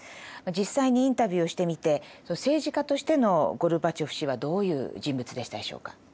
実際にインタビューをしてみて政治家としてのゴルバチョフ氏はどういう人物でしたでしょうか。